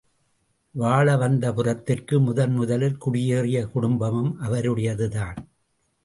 வாழவந்தபுரத்திற்கு முதன் முதலில் குடியேறிய குடும்பமும் அவருடையதுதான்.